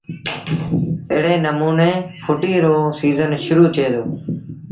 ايڙي نموٚني ڦُٽيٚ رو سيٚزن شرو ٿئي دو